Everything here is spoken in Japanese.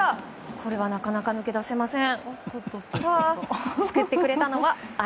これはなかなか抜け出せません。